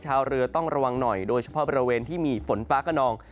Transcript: ชาวเรือต้องระวังหน่อยโดยเฉพาะบริเวณที่มีฝนฟ้าขนอง